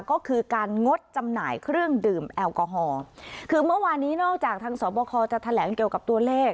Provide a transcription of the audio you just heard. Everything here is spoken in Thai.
ก็คือการงดจำหน่ายเครื่องดื่มแอลกอฮอล์คือเมื่อวานนี้นอกจากทางสอบคอจะแถลงเกี่ยวกับตัวเลข